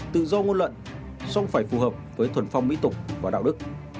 tự do ngôn luận song phải phù hợp với thuần phong mỹ tục và đạo đức